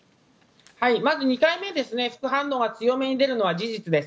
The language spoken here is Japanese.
まず２回目、副反応が強めに出るのは事実です。